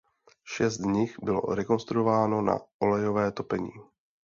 Šest z nich bylo rekonstruováno na olejové topení.